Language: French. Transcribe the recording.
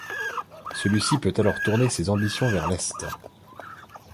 Celui-ci peut alors tourner ses ambitions vers l'est.